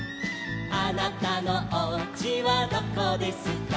「あなたのおうちはどこですか」